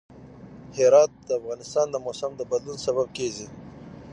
هرات د افغانستان د موسم د بدلون سبب کېږي.